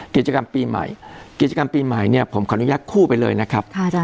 กิจกรรมปีใหม่กิจกรรมปีใหม่เนี่ยผมขออนุญาตคู่ไปเลยนะครับ